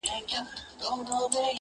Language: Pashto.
نجلۍ له غوجلې سره تړل کيږي تل,